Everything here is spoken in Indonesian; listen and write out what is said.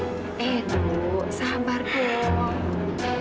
ibu sabar ibu